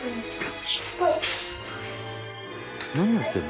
「何やってるの？